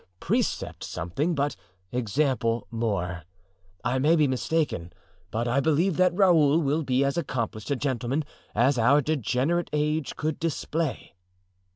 Precept something, but example more. I may be mistaken, but I believe that Raoul will be as accomplished a gentleman as our degenerate age could display."